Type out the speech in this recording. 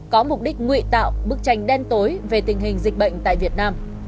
có mục đích nguy tạo bức tranh đen tối về tình hình dịch bệnh tại việt nam